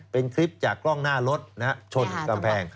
เป็นคลิปจากกล้องหน้ารถชนกำแพง